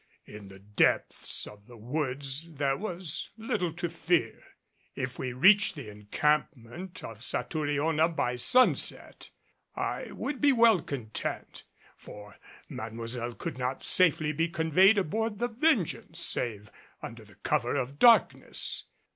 In the depths of the woods there was little to fear. If we reached the encampment of Satouriona by sunset I would be well content, for Mademoiselle could not safely be conveyed aboard the Vengeance save under the cover of darkness.